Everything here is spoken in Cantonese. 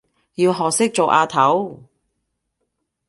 要學識做阿頭